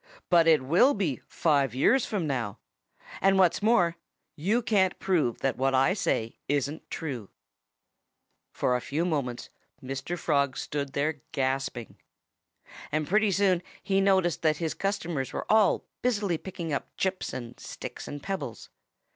But it will be five years from now. And what's more, you can't prove that what I say isn't true." For a few moments Mr. Frog stood there gasping. And pretty soon he noticed that his customers were all busily picking up chips and sticks and pebbles.